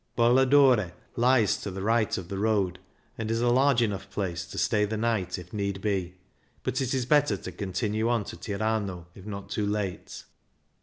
Bolladore lies to the right of the road, and is a large enough place to stay the night at if need be, but it is better to continue on to Tirano if not too late.